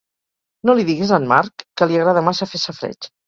No li diguis a en Marc, que li agrada massa fer safareig.